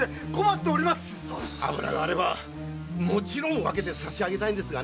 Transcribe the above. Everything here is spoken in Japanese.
油があればもちろん分けてさしあげたいが。